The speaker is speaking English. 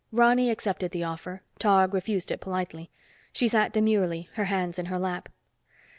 Ronny accepted the offer, Tog refused it politely. She sat demurely, her hands in her lap.